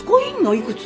いくつ？